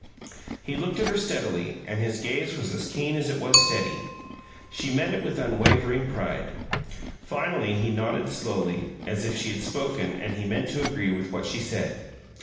He looked at her steadily, and his gaze was as keen as it was steady. She met it with unwavering pride. Finally he nodded slowly, as if she had spoken and he meant to agree with what she said.